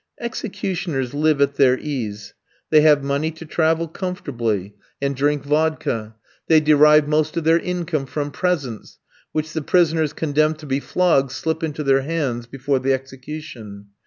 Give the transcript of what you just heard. Executioners live at their ease. They have money to travel comfortably, and drink vodka. They derive most of their income from presents which the prisoners condemned to be flogged slip into their hands before the execution.